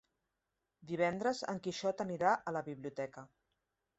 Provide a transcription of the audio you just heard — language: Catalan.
Divendres en Quixot anirà a la biblioteca.